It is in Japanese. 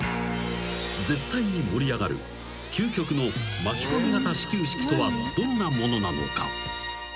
［絶対に盛り上がる究極の巻き込み型始球式とはどんなものなのか？］